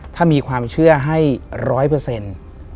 ถ้ามีความเชื่อให้ร้อยเปอร์เซ็นต์